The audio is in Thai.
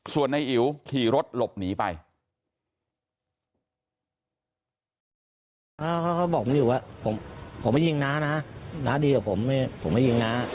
ส่วนในอิ๋วขี่รถหลบหนีไป